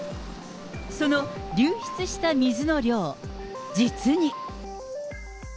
その流出した水の量、実に。